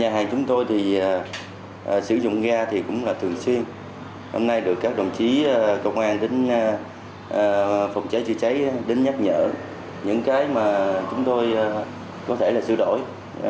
nhà hàng chúng tôi thì sử dụng ga thì cũng là thường xuyên hôm nay được các đồng chí công an đến phòng cháy chữa cháy đến nhắc nhở những cái mà chúng tôi có thể là sửa đổi